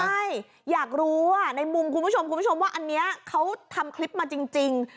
ใช่อยากรู้ในมุมคุณผู้ชมคุณผู้ชมว่าอันนี้เขาทำคลิปมาจริง